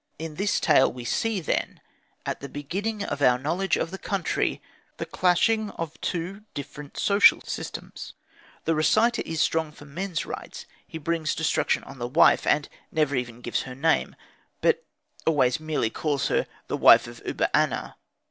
In this tale we see, then, at the beginning of our knowledge of the country, the clashing of two different social systems. The reciter is strong for men's rights, he brings destruction on the wife, and never even gives her name, but always calls her merely "the wife of Uba aner."